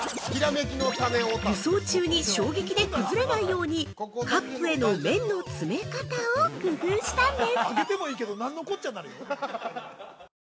輸送中に衝撃で崩れないようにカップへの麺の詰め方を工夫したんです。